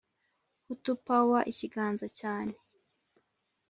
hutu powera ikaganza cyne